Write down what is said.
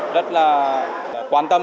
rất là quan tâm